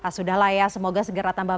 sudahlah ya semoga segera tambah